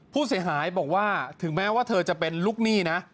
ผู้เสียหายบอกว่าถึงแม้ว่าเธอจะเป็นลูกหนี้นะ